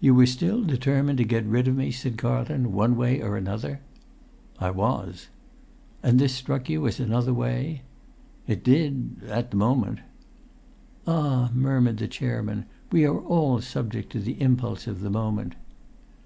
"You were still determined to get rid of me," said Carlton, "one way or another?" "I was." "And this struck you as another way?" "It did—at the moment." "Ah," murmured the chairman, "we are all subject to the impulse of the moment!"